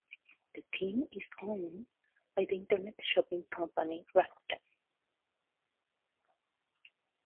The team is owned by the Internet shopping company Rakuten.